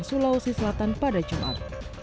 sulawesi selatan pada jumat